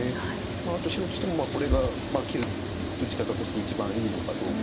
あと白としてもこれが切る打ち方として一番いいのかどうか。